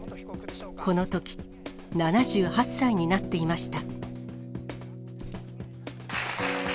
このとき７８歳になっていました。